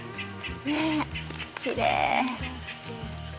きれい。